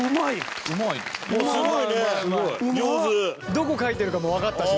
どこ描いてるかもわかったし。